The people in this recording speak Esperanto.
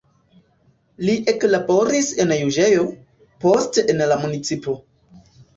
Li eklaboris en juĝejo, poste en la municipo.